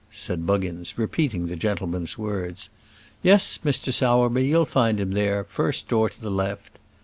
said Buggins, repeating the gentleman's words. "Yes, Mr. Sowerby; you'll find him there; first door to the left."